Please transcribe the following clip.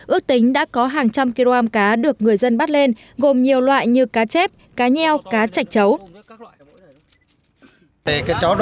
ước tính đã có hàng trăm kg cá được người dân bắt lên gồm nhiều loại như cá chép cá nheo cá chạch chấu